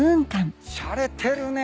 しゃれてるね。